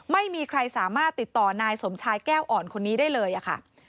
ไม่มีใครสามารถติดต่อนายสมชายแก้วอ่อนคนนี้ได้เลยค่ะ